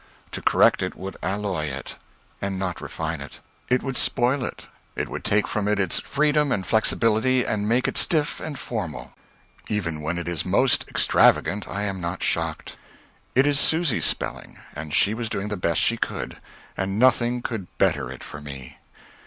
To correct it would alloy it, not refine it. It would spoil it. It would take from it its freedom and flexibility and make it stiff and formal. Even when it is most extravagant I am not shocked. It is Susy's spelling, and she was doing the best she could and nothing could better it for me....